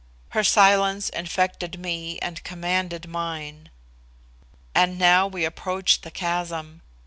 Her silence infected me and commanded mine. And now we approached the chasm.